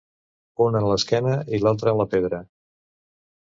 Una en l'esquena i l'altra en la pedra.